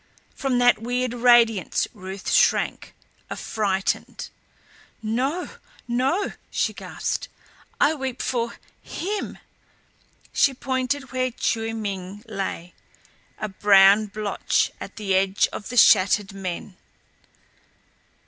From that weird radiance Ruth shrank, affrighted. "No no," she gasped. "I weep for HIM." She pointed where Chiu Ming lay, a brown blotch at the edge of the shattered men.